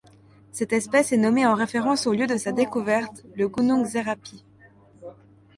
Cette espèce est nommée en référence au lieu de sa découverte, le Gunung Serapi.